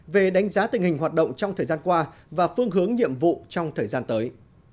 về đánh giá tình hình hoạt động trong thời gian qua và phương hướng nhiệm vụ trong thời gian tới